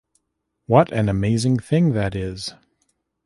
What an amazing thing that is!